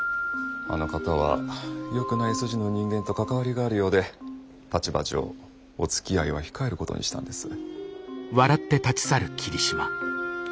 あの方はよくない筋の人間と関わりがあるようで立場上おつきあいは控えることにしたんです。